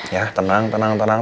ya tenang tenang tenang